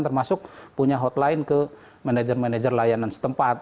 termasuk punya hotline ke manajer manajer layanan setempat